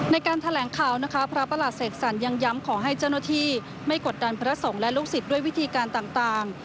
ในการแถลงข่าวนะคะพระประหลัดเสกสรรยังย้ำขอให้เจ้าหน้าที่ไม่กดดันพระสงฆ์และลูกศิษย์ด้วยวิธีการต่าง